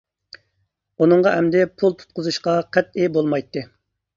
ئۇنىڭغا ئەمدى پۇل تۇتقۇزۇشقا قەتئىي بولمايتتى.